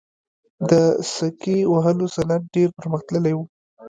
د سکې وهلو صنعت ډیر پرمختللی و